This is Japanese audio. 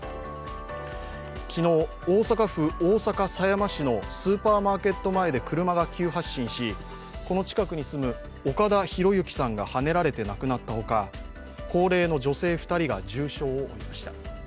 昨日、大阪府大阪狭山市のスーパーマーケット前で車が急発進しこの近くに住む岡田博行さんがはねられて亡くなったほか高齢の女性２人が重傷を負いました。